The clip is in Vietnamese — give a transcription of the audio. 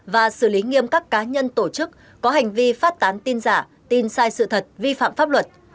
và xử lý nghiêm các cá nhân tổ chức có hành vi phát tán tin giả tin sai sự thật vi phạm pháp luật